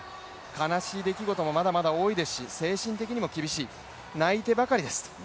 悲しい出来事もまだまだ多いですし、精神的にも厳しい、泣いてばかりですと。